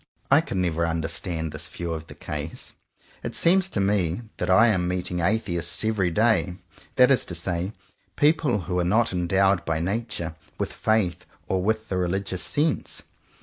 I can never understand this view of the case. It seems to me that I am meeting Atheists every day; that is to say people who are not endowed by nature with faith or with the religious sense.